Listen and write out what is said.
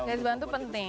garis bantu penting